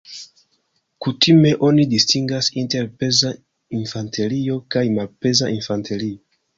Kutime oni distingas inter peza infanterio kaj malpeza infanterio.